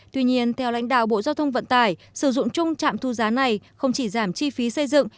tuy nhiên theo lãnh đạo bộ giao thông vận tải sử dụng chung trạm thu giá này không chỉ giảm chi phí xây dựng